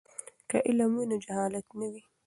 که علم وي نو جهالت نه وي.